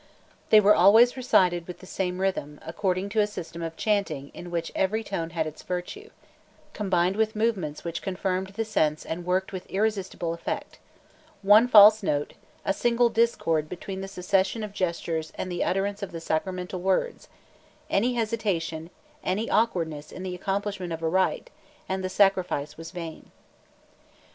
They were always recited with the same rhythm, according to a system of chaunting in which every tone had its virtue, combined with movements which confirmed the sense and worked with irresistible effect: one false note, a single discord between the succession of gestures and the utterance of the sacramental words, any hesitation, any awkwardness in the accomplishment of a rite, and the sacrifice was vain.